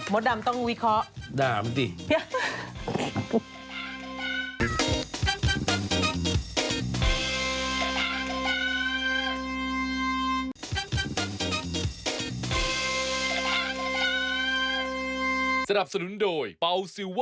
ดำต้องวิเคราะห์ด่ามันสิ